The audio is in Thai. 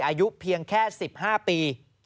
อายุเพียงแค่๑๕ปี